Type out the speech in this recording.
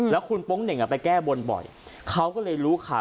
แล้วคุณโป๊งเหน่งไปแก้บนบ่อยเขาก็เลยรู้ข่าว